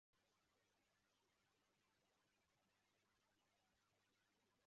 Abantu basuye ikigo cyangwa igihome gishaje